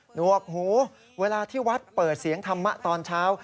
หวกหูเวลาที่วัดเปิดเสียงธรรมะตอนเช้า